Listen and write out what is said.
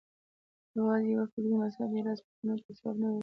یوازې یوه فکري مذهب میراث پوښتنو ته ځواب نه ویلای